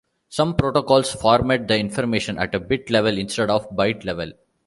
Some protocols format the information at a bit level instead of a byte level.